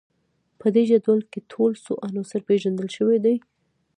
په دې جدول کې ټول څو عناصر پیژندل شوي دي